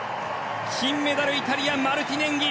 金メダル、イタリアのマルティネンギ。